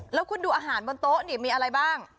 แล้วคุณดูอาหารบนโต๊ะนี่มีอะไรบ้าง